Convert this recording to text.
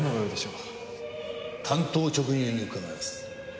単刀直入に伺います。